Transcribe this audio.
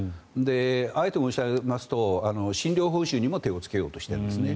あえて申し上げますと診療報酬にも手をつけようとしているんです。